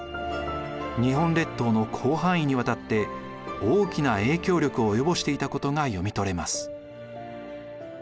日本列島の広範囲にわたって大きな影響力を及ぼしていたことが読み取れます。